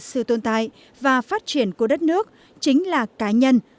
sự tồn tại và phát triển của đất nước chính là cá nhân